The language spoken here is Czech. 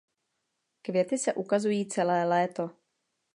Květy se ukazují celé léto.